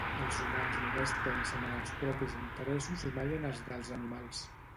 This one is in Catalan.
Els humans només pensen en els propis interessos i mai en els dels animals